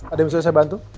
ada misalnya saya bantu